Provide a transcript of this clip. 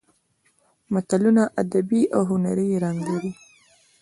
متلونه ادبي او هنري رنګ لري